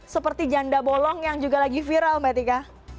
seperti janda bolong yang juga lagi viral mbak tika